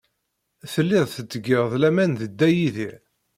Tellid tettged laman deg Dda Yidir.